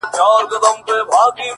زما له ملا څخه په دې بد راځي ـ